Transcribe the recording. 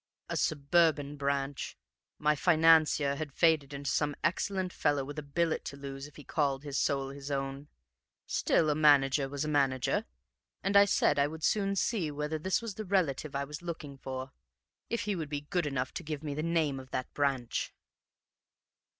A suburban branch my financier had faded into some excellent fellow with a billet to lose if he called his soul his own. Still a manager was a manager, and I said I would soon see whether this was the relative I was looking for, if he would be good enough to give me the name of that branch.